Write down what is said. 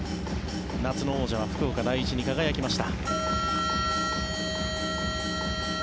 夏の王者は福岡第一に輝きました。